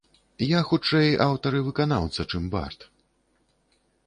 Я хутчэй аўтар і выканаўца, чым бард.